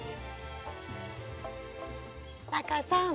タカさん